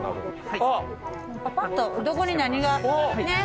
パパッとどこに何がねっ。